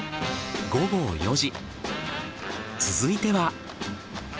続いては。